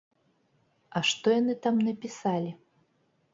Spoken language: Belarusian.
А што яны там напісалі?